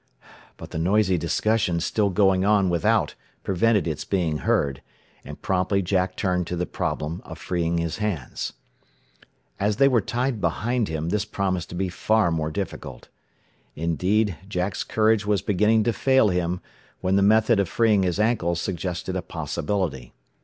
But the noisy discussion still going on without prevented its being heard; and promptly Jack turned to the problem of freeing his hands. As they were tied behind him, this promised to be far more difficult. Indeed Jack's courage was beginning to fail him, when the method of freeing his ankles suggested a possibility.